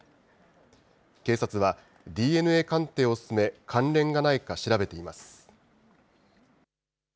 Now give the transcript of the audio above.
警察はＤＮＡ鑑定を進め、関連がないか調べています。